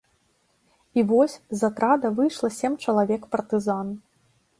І вось з атрада выйшла сем чалавек партызан.